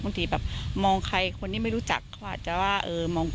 ทีแบบมองใครคนที่ไม่รู้จักเขาอาจจะว่าเออ